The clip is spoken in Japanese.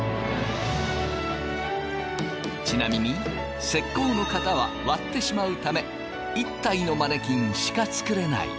ちなみに石膏の型は割ってしまうため１体のマネキンしか作れない。